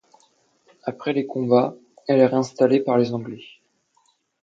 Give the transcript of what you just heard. Après les combats, elle est réinstallée par les Anglais.